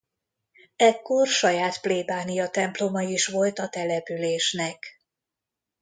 Ekkor saját plébániatemploma is volt a településnek.